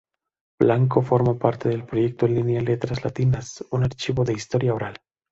Blanco forma parte del proyecto en línea Letras Latinas, un archivo de historia oral.